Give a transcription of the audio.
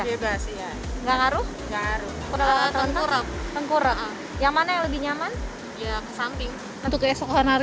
bebas nggak ngaruh ngaruh tengkurep yang mana yang lebih nyaman ya ke samping untuk esok hari